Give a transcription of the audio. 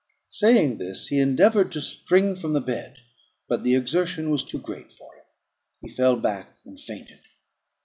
Saying this, he endeavoured to spring from the bed, but the exertion was too great for him; he fell back, and fainted.